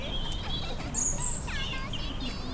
フフフたのしみ！